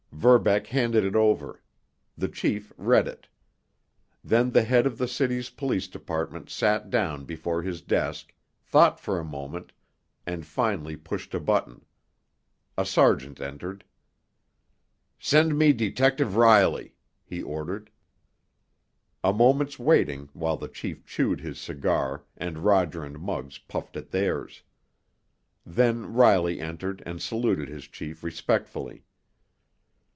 Verbeck handed it over; the chief read it. Then the head of the city's police department sat down before his desk, thought for a moment, and finally pushed a button. A sergeant entered. "Send me Detective Riley!" he ordered. A moment's waiting, while the chief chewed his cigar and Roger and Muggs puffed at theirs. Then Riley entered and saluted his chief respectfully.